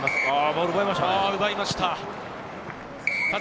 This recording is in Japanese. ボールを奪いました。